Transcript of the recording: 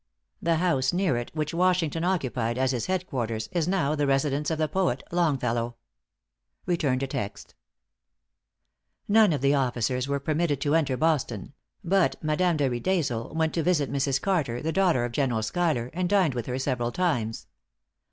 The house near it, which Washington occupied as his head quarters, is now the residence of the poet Longfellow. None of the officers were permitted to enter Boston; but Madame de Riedesel went to visit Mrs. Carter, the daughter of General Schuyler, and dined with her several times.